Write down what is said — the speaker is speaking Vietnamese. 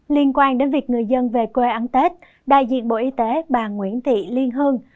liên quan đến việc người dân về quê ăn tết đại diện bộ y tế bà nguyễn thị liên hương